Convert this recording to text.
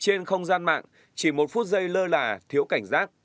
trên không gian mạng chỉ một phút giây lơ là thiếu cảnh giác